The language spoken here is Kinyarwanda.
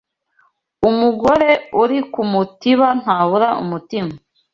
Umugore uri ku mutiba ntabura umutima